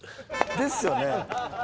ですよね？